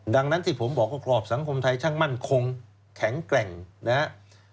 ดังนั้นที่ผมบอกว่าครอบสังคมไทยช่างมั่นคงแข็งแกร่งนะครับ